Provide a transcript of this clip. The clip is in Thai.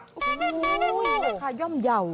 โอ้โหราคาย่อมเยาว์